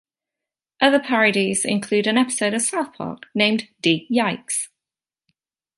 Other parodies include an episode of "South Park" named "D-Yikes!